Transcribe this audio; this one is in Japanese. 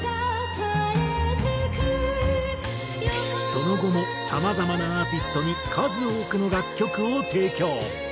その後もさまざまなアーティストに数多くの楽曲を提供。